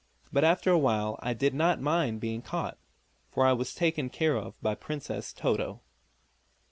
But after a while I did not mind being caught, for I was taken care of by Princess Toto."